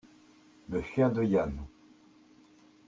Le chien de Yann.